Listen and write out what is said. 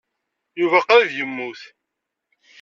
Yuba qrib yemmut.